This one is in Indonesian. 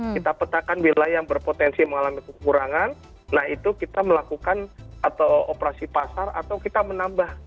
kita petakan wilayah yang berpotensi mengalami kekurangan nah itu kita melakukan atau operasi pasar atau kita menambah